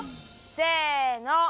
せの！